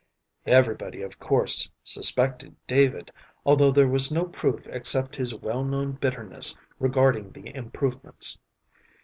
Everybody, of course, suspected David, although there was no proof except his well known bitterness regarding the improvements.